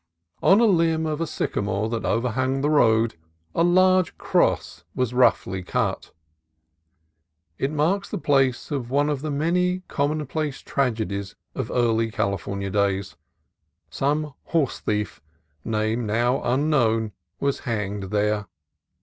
On a limb of a sycamore that overhung the road a large cross was roughly cut. It marks the place of one of the many commonplace tragedies of early California days. Some horsethief, name now un known, was hanged there.